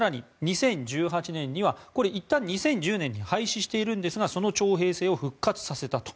更に２０１８年にはいったん、２０１０年に廃止しているんですがその徴兵制を復活させたと。